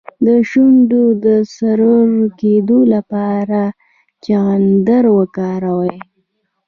د شونډو د سره کیدو لپاره چغندر وکاروئ